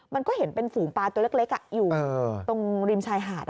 มันก็เห็นเป็นฝูงปลาตัวเล็กอยู่ตรงริมชายหาด